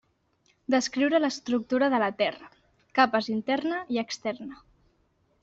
Descriure l'estructura de la Terra: capes interna i externa.